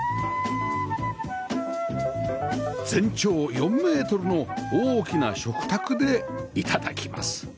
全長４メートルの大きな食卓で頂きます